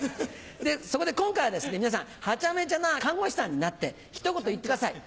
そこで今回は皆さんハチャメチャな看護師さんになってひと言言ってください。